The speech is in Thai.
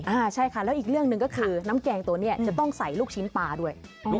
อ่าใช่ค่ะแล้วอีกเรื่องหนึ่งก็คือน้ำแกงตัวนี้จะต้องใส่ลูกชิ้นปลาด้วย